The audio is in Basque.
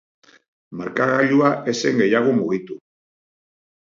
Markagailua ez zen gehiago mugitu.